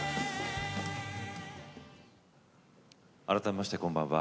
改めまして、こんばんは。